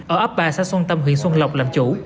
ở ấp ba xã xuân tâm huyện xuân lộc làm chủ